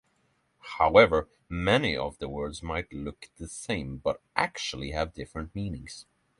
However, many of the words might look the same but actually have different meanings.